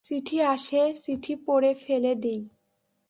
চিঠি আসে, চিঠি পড়ে ফেলে দিই।